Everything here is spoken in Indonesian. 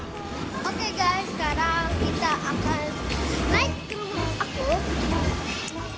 oke guys sekarang kita akan naik dulu aku